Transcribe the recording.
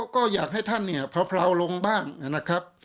ก็อยากให้ท่านพราวลงบ้างนะครับ